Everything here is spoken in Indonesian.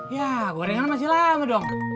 ya gorengan masih lama dong